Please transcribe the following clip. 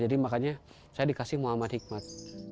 jadi makanya saya dikasih mu'amat hikmat